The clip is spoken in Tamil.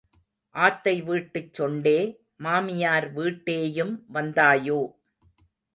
ஆத்தை வீட்டுச் சொண்டே, மாமியார் வீட்டேயும் வந்தாயோ.